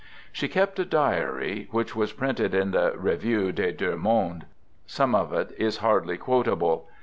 She kept a diary, which was printed in the Revue des Deux Mondes. Some of it is hardly quotable.